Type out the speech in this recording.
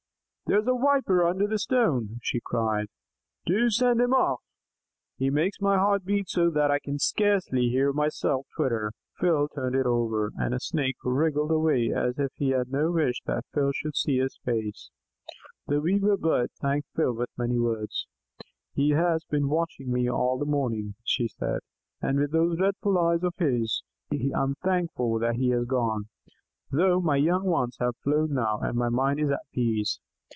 "There's a Viper under that stone," she cried, "Do send him off. He makes my heart beat so that I can scarcely hear myself twitter." Phil turned it over, and a Snake wriggled away as if he had no wish that Phil should see his face. The Weaver Bird thanked Phil with many words. "He has been watching me all the morning," she said, "with those dreadful eyes of his. I am thankful that he has gone, though my young ones have flown now, and my mind is at peace.